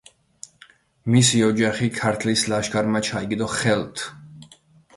მისი ოჯახი ქართლის ლაშქარმა ჩაიგდო ხელთ.